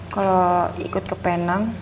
kalau ikut ke penang